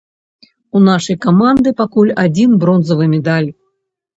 У нашай каманды пакуль адзін бронзавы медаль.